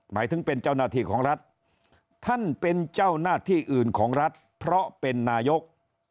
หมายถึงเป็นเจ้าหน้าที่ของรัฐท่านเป็นเจ้าหน้าที่อื่นของรัฐเพราะเป็นนายก